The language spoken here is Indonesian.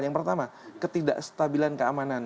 yang pertama ketidakstabilan keamanan